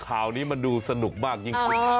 ข่าวนี้มันดูสนุกมากจริง